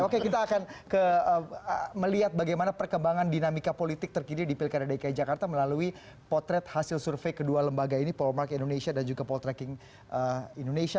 oke kita akan melihat bagaimana perkembangan dinamika politik terkini di pilkada dki jakarta melalui potret hasil survei kedua lembaga ini polmark indonesia dan juga poltreking indonesia